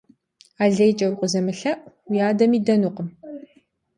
Алейкӏэ укъызэмылъэӏу, уи адэм идэнукъым.